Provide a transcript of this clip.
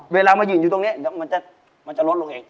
เวลามายืนอยู่ตรงนี้เดี๋ยวมันจะลดลงเอง